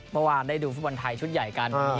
เมื่อวานได้ดูฟุตบอลไทยชุดใหญ่กัน